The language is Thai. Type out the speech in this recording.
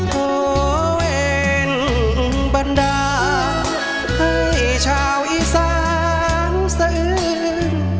ขอเวรบรรดาให้ชาวอีสานศืน